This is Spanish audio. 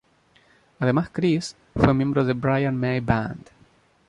Además Chris, fue miembro de Brian May Band.